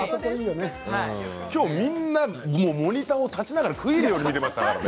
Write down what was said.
みんなモニター立ちながら食い入るように見ていましたね。